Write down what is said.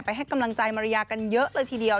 ให้กำลังใจมาริยากันเยอะเลยทีเดียว